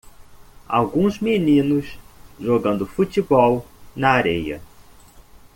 Alguns meninos jogando futebol na areia